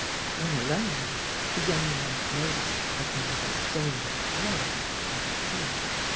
When alone, the young wife noticed that there was a stain of blood on the key.